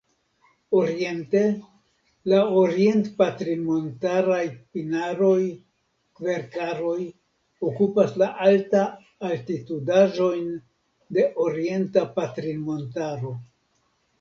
Oriente, la orient-patrinmontaraj pinaroj-kverkaroj okupas la alta-altitudaĵojn de Orienta Patrinmontaro.